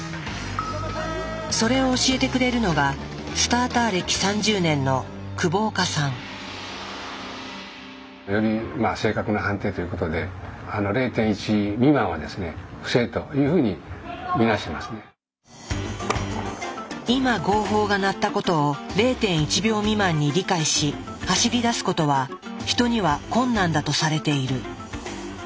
それを教えてくれるのがスターター歴３０年のよりまあ正確な判定ということで今号砲が鳴ったことを０．１秒未満に理解し走りだすことはヒトには困難だとされている。